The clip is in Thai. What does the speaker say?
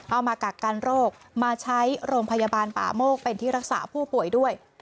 เอามากักกันโรคมาใช้โรงพยาบาลป่าโมกเป็นที่รักษาผู้ป่วยด้วย